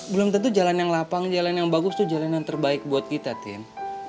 belum tentu jalan yang lapang jalan yang bagus itu jalanan terbaik buat kita tim